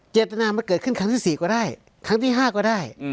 เจตนามันเกิดขึ้นครั้งที่๔ก็ได้ครั้งที่๕ก็ได้